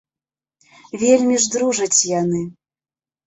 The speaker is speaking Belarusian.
Вельмі ж дружаць яны.